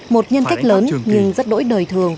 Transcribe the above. một nhân cách lớn nhưng rất đổi đời thường